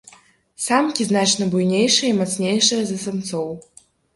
Самкі значна буйнейшыя і мацнейшыя за самцоў.